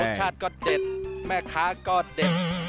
รสชาติก็เด็ดแม่ค้าก็เด็ด